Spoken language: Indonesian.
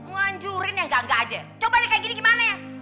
nganjurin yang gangga aja coba deh kayak gini gimana ya